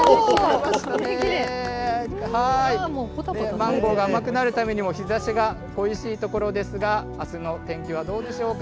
マンゴーが甘くなるためにも日ざしが恋しいところですが、あすの天気はどうでしょうか。